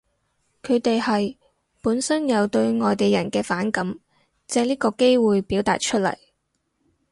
佢哋係，本身有對外地人嘅反感，借呢個機會表達出嚟